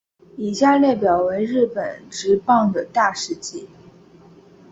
以下列表为日本职棒的大事纪。